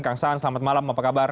kang saan selamat malam apa kabar